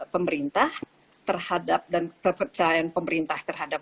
pemerintah terhadap dan kepercayaan pemerintah terhadap